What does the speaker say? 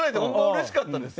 うれしかったです。